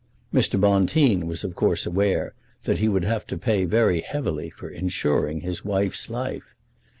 Mr. Bonteen was, of course, aware that he would have to pay very heavily for insuring his wife's life.